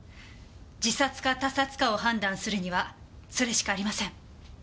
自殺か他殺かを判断するにはそれしかありません。